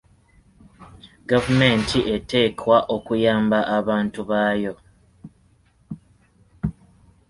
Gavumenti eteekwa okuyamba abantu baayo.